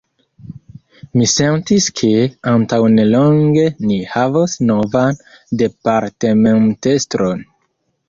Mi sentis ke, antaŭnelonge, ni havos novan departementestron.